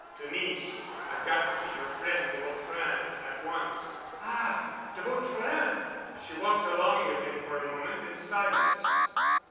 "To Nice. I've got to see your friend de Vautrin, at once." "Ah—de Vautrin!" She walked along with him for a moment in silence.